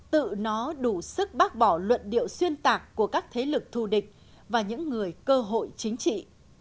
tự nó đủ sức bác bỏ luận điệu xuyên tạc của các thế lực thù địch và những người cơ hội chính trị